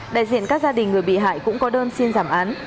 đại diện các gia đình người bị hại cũng có đơn xin giảm án